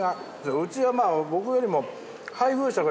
うちは僕よりも。